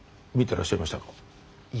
見てらっしゃいましたか？